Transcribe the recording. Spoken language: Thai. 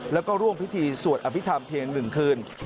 แล้วก็ร่วมพิธีสวดอภิษฐรรมเพียง๑คืน